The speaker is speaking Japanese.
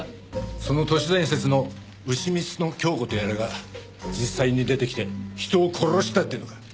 その都市伝説のうしみつのキョウコとやらが実際に出てきて人を殺したっていうのか？